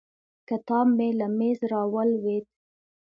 کتاب مې له مېز راولوېد.